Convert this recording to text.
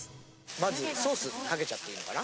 まずソースをかけちゃっていいのかな。